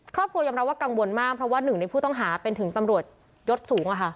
ครอบครัวยอมรับว่ากังวลมากเพราะว่าหนึ่งในผู้ต้องหาเป็นถึงตำรวจยศสูง